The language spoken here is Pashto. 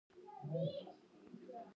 قناعت دژوند تر ټولو لویه سرمایه ده